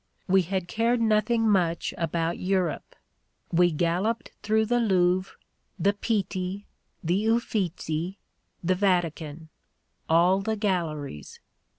We had cared nothing much about Europe. "We galloped through the Louvre, the Pitti, the Uffizi, the "Vatican — all the galleries.